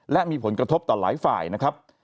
และมีผลกระทบต่อหลายฝ่ายนะครับ